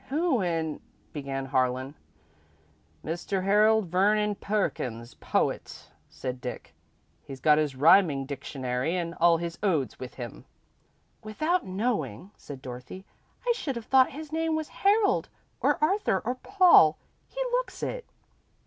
"Who in " began Harlan. "Mr. Harold Vernon Perkins, poet," said Dick. "He's got his rhyming dictionary and all his odes with him." "Without knowing," said Dorothy, "I should have thought his name was Harold or Arthur or Paul. He looks it."